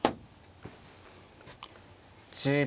１０秒。